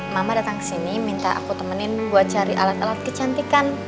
mama datang ke sini minta aku temenin buat cari alat alat kecantikan